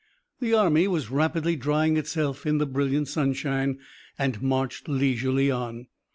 The army was rapidly drying itself in the brilliant sunshine, and marched leisurely on.